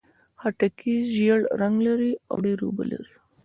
خټکی ژېړ رنګ لري او ډېر اوبه لري.